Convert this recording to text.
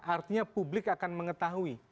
artinya publik akan mengetahui